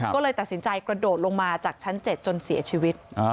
ก็เลยตัดสินใจกระโดดลงมาจากชั้น๗จนเสียชีวิต